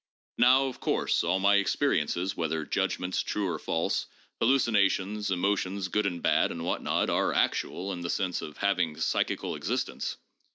Now, of course, all my experiences, whether judgments true or false, hallucinations, emo tions good and bad, and what not, are actual in the sense of having psychical existence.